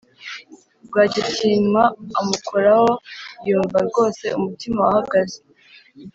Rwagitinywa amukoraho yumva rwose umutima wahagaze!